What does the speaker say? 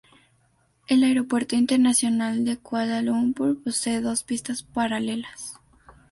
El Aeropuerto Internacional de Kuala Lumpur posee dos pistas paralelas.